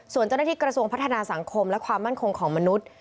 ส่วนเจ้าหน้าที่กระทรวงพัฒนาสังคมและความมั่นคงของมนุษย์